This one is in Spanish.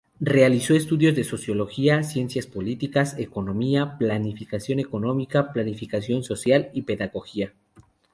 Realizó estudios de Sociología, Ciencias Políticas, Economía, Planificación económica, Planificación social y Pedagogía.